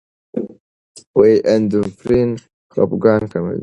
اندورفین خپګان کموي.